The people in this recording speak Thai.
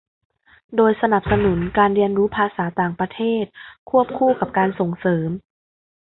โดยสนับสนุนการเรียนรู้ภาษาต่างประเทศควบคู่กับการส่งเสริม